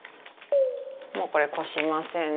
もうこれこしません。